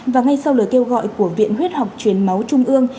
và ngay sau lời kêu gọi của viện huyết học truyền máu trung ương